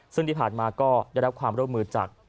ซึ่งที่ผ่านมาก็ได้รับความร่วมมือจาก